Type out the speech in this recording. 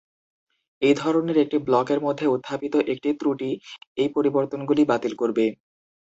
এই ধরনের একটি ব্লকের মধ্যে উত্থাপিত একটি ত্রুটি এই পরিবর্তনগুলি বাতিল করবে।